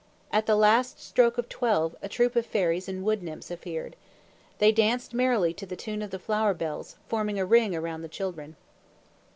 At the last stroke of twelve, a troop of fairies and wood nymphs appeared. They danced merrily to the tune of the flower bells, forming a ring around the children.